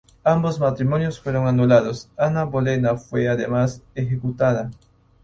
Ambos matrimonios fueron anulados; Ana Bolena fue, además, ejecutada.